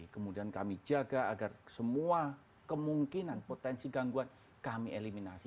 kemudian kami jaga agar semua kemungkinan potensi gangguan kami eliminasi